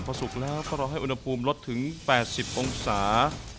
พอสุกแล้วก็รอให้อุณหภูมิลดถึง๘๐องศา